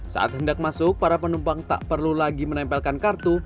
saat hendak masuk para penumpang tak perlu lagi menempelkan kartu